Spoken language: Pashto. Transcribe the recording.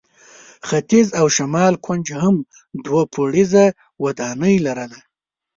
ختیځ او شمال کونج هم دوه پوړیزه ودانۍ لرله.